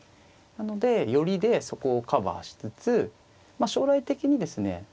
なので寄りでそこをカバーしつつ将来的にですね